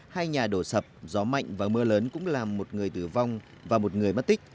hai nhà đổ sập gió mạnh và mưa lớn cũng làm một người tử vong và một người mất tích